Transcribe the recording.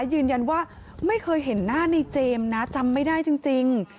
ยืนยันว่าไม่เคยเห็นหน้าในเจมส์นะจำไม่ได้จริง